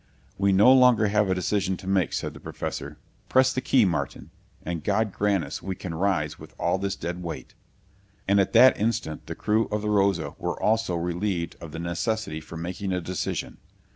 "We no longer have a decision to make," said the Professor. "Press the key, Martin, and God grant we can rise with all this dead weight." And at that instant the crew of the Rosa were also relieved of the necessity for making a decision.